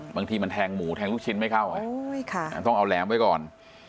บางทีมันแทงหมูแทงลูกชิ้นไม่เข้าต้องเอาแหลมไว้ก่อน